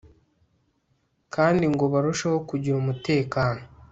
kandi ngo barusheho kugira umutekano